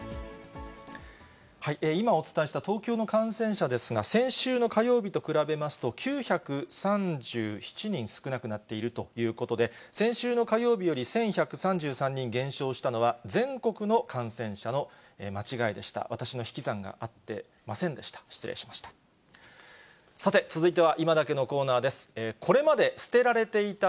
今、お伝えした東京の感染者ですが、先週の火曜日と比べますと、９３７人少なくなっているということで、先週の火曜日より１１３３人減少したのは、全国の感染者の間違いでした。